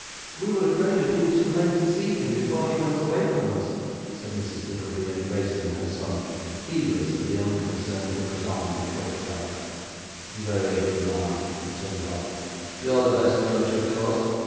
'We were afraid of being too late to see him before he went away from us,' said Mrs. Nickleby, embracing her son, heedless of the unconcerned lookers on in the coach yard. 'Very good, ma'am,' returned Ralph, 'you're the best judge of course.